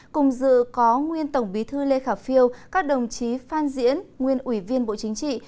cùng dự có nguyên tổng bí thư lê khả phiêu các đồng chí phan diễn nguyên ủy viên bộ chính trị